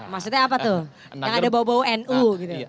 maksudnya apa tuh yang ada bau bau nu gitu